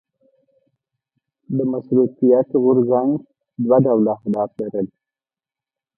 د مشروطیت غورځنګ دوه ډوله اهداف لرل.